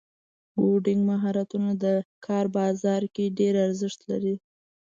کوډینګ مهارتونه د کار بازار کې ډېر ارزښت لري.